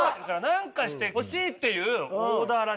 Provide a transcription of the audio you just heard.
なんかしてほしいっていうオーダーらしいんですよ。